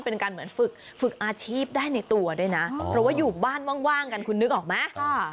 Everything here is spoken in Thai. เพราะว่าอยู่บ้านว่างกันคุณนึกออกไหม